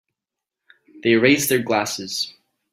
They raise their glasses.